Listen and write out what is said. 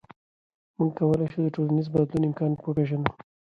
موږ کولی شو د ټولنیز بدلون امکان وپېژنو.